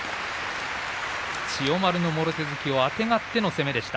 千代丸のもろ手突きをあてがっての攻めでした。